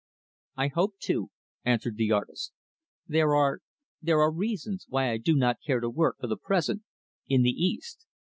"I hope to," answered the artist. "There are there are reasons why I do not care to work, for the present, in the East.